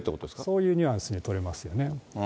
そういうニュアンスに取れますよね。